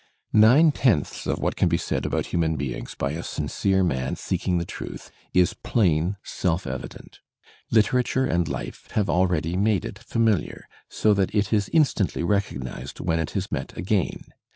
Nine tenths of what can be said about human beings by a sincere man seek ing the truth is plain, self evident; literature and life have already made it familiar, so that it is instantly recognized when it is met again.